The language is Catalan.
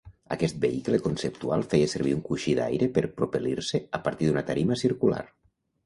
Aquest vehicle conceptual feia servir un coixí d'aire per propel·lir-se a partir d'una tarima circular.